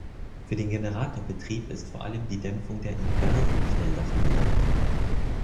Für den Generatorbetrieb ist vor allem die Dämpfung der inversen Felder von Bedeutung.